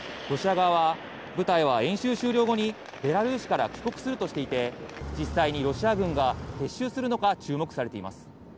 ロシア側は、部隊は演習終了後にベラルーシから帰国するとしていて、実際にロシア軍が撤収するのか、注目されています。